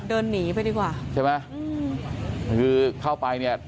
เดินหนีไปดีกว่าใช่ไหมอืมคือเข้าไปเนี่ย